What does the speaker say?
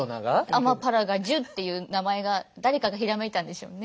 アマパラガジュっていう名前が誰かがひらめいたんでしょうね。